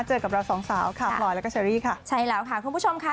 เจอกับเราสองสาวค่ะพลอยแล้วก็เชอรี่ค่ะใช่แล้วค่ะคุณผู้ชมค่ะ